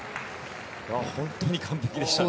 本当に完璧でした。